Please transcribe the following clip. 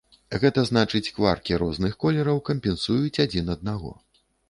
Гэта значыць, кваркі розных колераў кампенсуюць адзін аднаго.